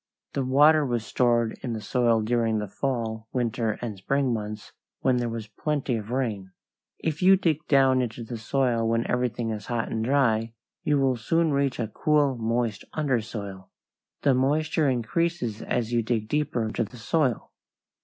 The water was stored in the soil during the fall, winter, and spring months when there was plenty of rain. If you dig down into the soil when everything is dry and hot, you will soon reach a cool, moist undersoil. The moisture increases as you dig deeper into the soil.